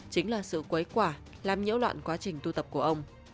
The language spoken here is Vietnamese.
chính là sự quấy quả làm nhiễu loạn quá trình tu tập của ông